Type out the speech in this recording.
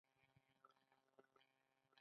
کاپیسا د کوشانیانو د اوړي پلازمینه وه